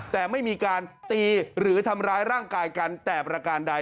แต่ไม่มีการตีหรือทำร้ายร่างกายกันแต่ประการใด